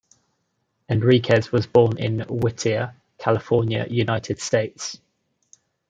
Enriquez was born in Whittier, California, United States.